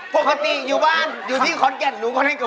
ปกติอยู่ว่านอยู่ที่คอนแกท์หรือบอเลกร์ไว้ครับ